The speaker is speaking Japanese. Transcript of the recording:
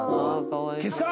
消すか。